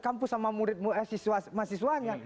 kampus sama mahasiswanya